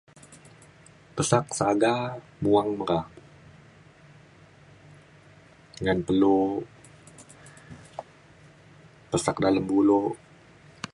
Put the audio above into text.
pesak saga muang meka ngan pelo pesak dalem bulok